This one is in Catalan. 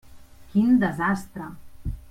Quin desastre!